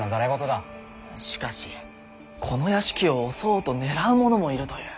しかしこの邸を襲おうと狙う者もいるという。